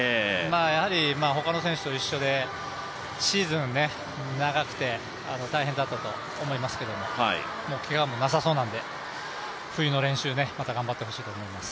やはり、ほかの選手と一緒でシーズン長くて大変だったと思いますけどもけがもなさそうなので、冬の練習また頑張ってほしいなと思います